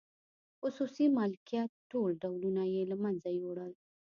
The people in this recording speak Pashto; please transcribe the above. خصوصي مالکیت ټول ډولونه یې له منځه یووړل.